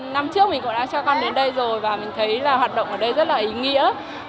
năm trước mình cũng đã cho con lên đây rồi và mình thấy là hoạt động ở đây rất là ý nghĩa